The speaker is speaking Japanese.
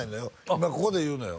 今ここで言うのよ